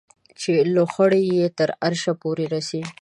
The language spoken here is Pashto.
چې لوخړې یې تر عرشه پورې رسي